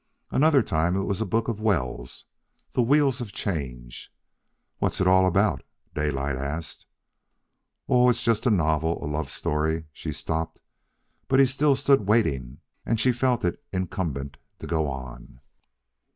Another time it was a book of Wells', The Wheels of Change. "What's it all about?" Daylight asked. "Oh, it's just a novel, a love story." She stopped, but he still stood waiting, and she felt it incumbent to go on.